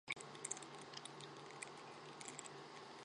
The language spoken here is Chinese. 该电视剧的总导演为成浩。